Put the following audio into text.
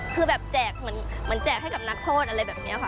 คือแบบแจกเหมือนแจกให้กับนักโทษอะไรแบบนี้ค่ะ